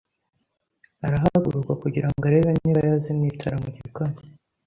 Arahaguruka kugira ngo arebe niba yazimye itara mu gikoni.